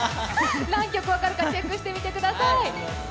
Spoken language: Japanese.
何曲分かるかチェックしてみてください。